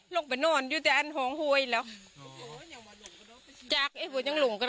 หลงแล้วหลงแล้วก็เล้นแล้วเต้นแล้วปะนี้น่ะ